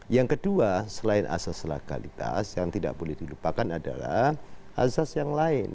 yang kedua selain asas legalitas yang tidak boleh dilupakan adalah asas yang lain